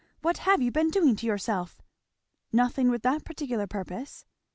what have you been doing to yourself?" "Nothing, with that particular purpose."